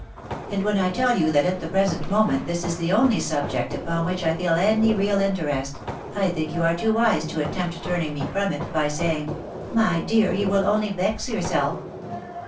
And when I tell you that at the present moment this is the only subject upon which I feel any real interest, I think you are too wise to attempt turning me from it, by saying, < My dear you will only vex yourself.'